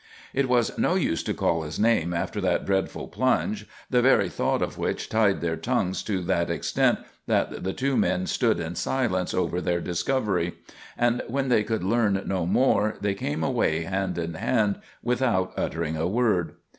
It was no use to call his name after that dreadful plunge, the very thought of which tied their tongues to that extent that the two men stood in silence over their discovery; and when they could learn no more they came away hand in hand, without uttering a word.